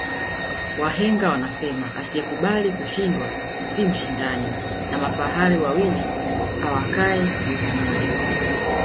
wahenga wanasema asiyekubali kushindwa si mshindani na mafahari wawili awakai zizi moja